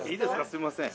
すいません」